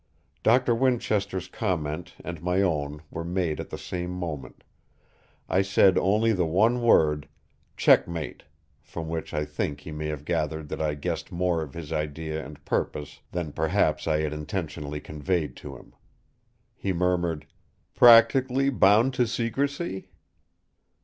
Doctor Winchester's comment and my own were made at the same moment. I said only the one word "Checkmate!" from which I think he may have gathered that I guessed more of his idea and purpose than perhaps I had intentionally conveyed to him. He murmured: "Practically bound to secrecy?"